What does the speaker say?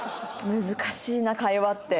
難しいな会話って。